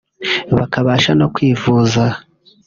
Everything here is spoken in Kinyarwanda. bakabasha no kwivuza